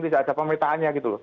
tidak ada pemintaannya gitu